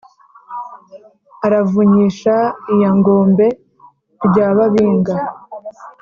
aravunyisha lyangombe rya babinga